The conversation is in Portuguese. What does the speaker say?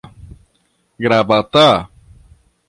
Gravatá